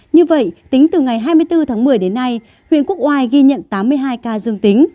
như vậy tính từ ngày hai mươi bốn tháng một mươi đến nay huyện quốc oai ghi nhận tám mươi hai ca dương tính